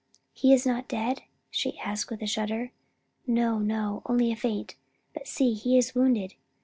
"He is not dead?" she asked with a shudder. "No, no: only a faint; but, see, he is wounded!